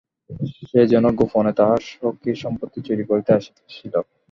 সে যেন গোপনে তাহার সখীর সম্পত্তি চুরি করিতে আসিয়াছিল।